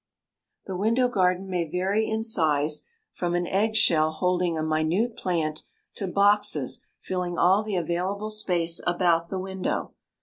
The window garden may vary in size from an eggshell holding a minute plant to boxes filling all the available space about the window.